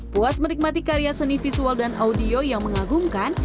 puas menikmati karya seni visual dan audio yang mengagumkan